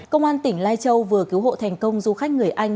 công an tỉnh lai châu vừa cứu hộ thành công du khách người anh